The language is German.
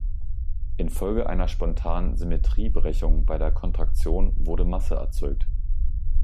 Infolge einer spontanen Symmetriebrechung bei der Kontraktion wurde Masse erzeugt.